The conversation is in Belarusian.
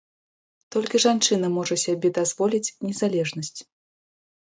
Толькі жанчына можа сябе дазволіць незалежнасць.